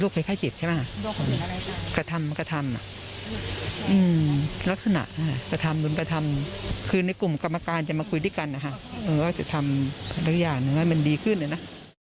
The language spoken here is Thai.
ก็จะทำพันธุ์อย่างหนึ่งให้มันดีขึ้นเลยนะ